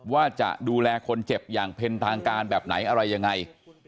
ว่าจะดูแลคนเจ็บอย่างเป็นทางการแบบไหนอะไรยังไง